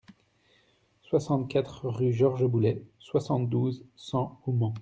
soixante-quatre rue Georges Boullet, soixante-douze, cent au Mans